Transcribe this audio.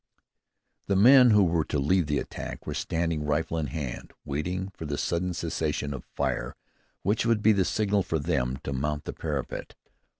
The men who were to lead the attack were standing rifle in hand, waiting for the sudden cessation of fire which would be the signal for them to mount the parapet.